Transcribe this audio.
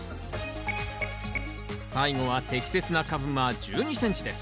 最後は適切な株間１２ｃｍです